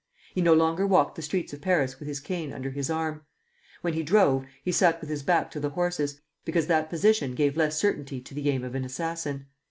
He no longer walked the streets of Paris with his cane under his arm. When he drove, he sat with his back to the horses, because that position gave less certainty to the aim of an assassin.